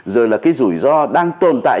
rồi là cái rủi ro đang tồn tại